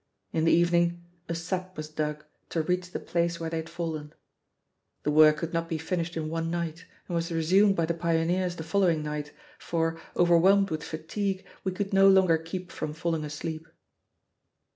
In the evening, a sap was dug to reach the place where they had fallen. The work could not be finished in one night and was resumed by the pioneers the following night, for, overwhelmed with fatigue, we could no longer keep from falling asleep.